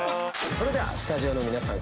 それではスタジオの皆さん